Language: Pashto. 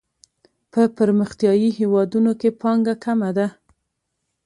په پرمختیايي هیوادونو کې پانګه کمه ده.